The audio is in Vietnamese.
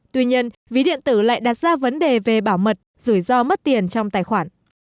tuy nhiên ví điện tử lại đặt ra vấn đề về bảo mật rủi ro mất tiền trong tài khoản